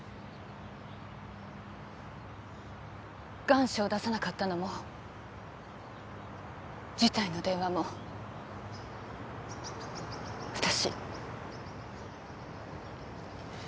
願書を出さなかったのも辞退の電話も私。